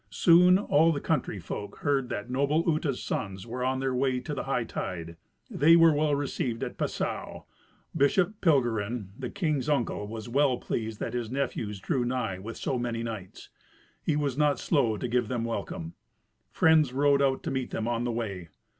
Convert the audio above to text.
Soon all the country folk heard that noble Uta's sons were on their way to the hightide. They were well received at Passau. Bishop Pilgerin, the king's uncle, was well pleased that his nephews drew nigh with so many knights. He was not slow to give them welcome. Friends rode out to meet them on the way.